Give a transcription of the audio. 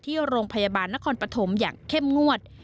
ที่โรงพยาบาลนครปฐมอย่างเข้มงวด